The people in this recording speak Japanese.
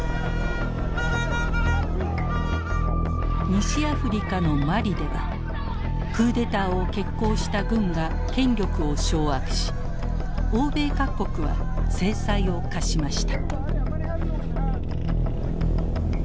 西アフリカのマリではクーデターを決行した軍が権力を掌握し欧米各国は制裁を科しました。